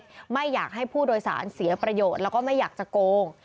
ไม่อยากให้ผู้โดยสารเสียประโยชน์แล้วก็ไม่อยากจะโกง